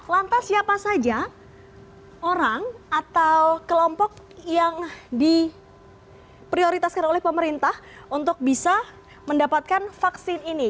lantas siapa saja orang atau kelompok yang diprioritaskan oleh pemerintah untuk bisa mendapatkan vaksin ini